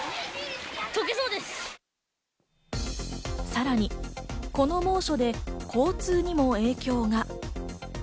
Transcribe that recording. さらにこの猛暑で交通にも影響が。